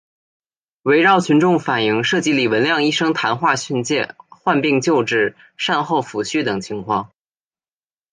围绕群众反映涉及李文亮医生谈话训诫、患病救治、善后抚恤等情况